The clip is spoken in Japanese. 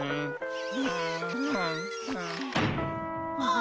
あ。